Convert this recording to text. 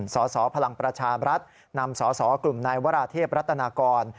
สสพลังประชาบรัฐนำสสกลุ่มนายวราเทพรัตนากร